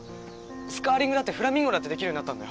スカーリングだってフラミンゴだってできるようになったんだよ。